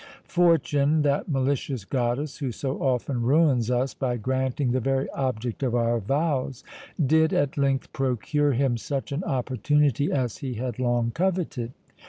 Fortune, that malicious goddess, who so often ruins us by granting the very object of our vows, did at length procure him such an opportunity as he had long coveted.